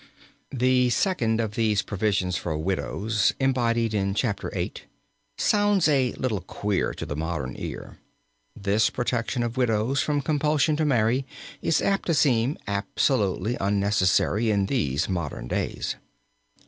The second of these provisions for widows, embodied in Chapter VIII., sounds a little queer to the modern ear. This protection of widows from compulsion to marry is apt to seem absolutely unnecessary in these modern days.